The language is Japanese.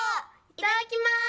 いただきます」。